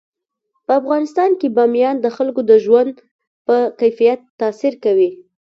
په افغانستان کې بامیان د خلکو د ژوند په کیفیت تاثیر کوي.